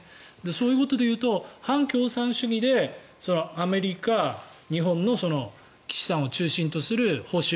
そういうことでいうと反共産主義でアメリカ、日本の岸さんを中心とする保守